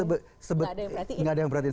gak ada yang perhatiin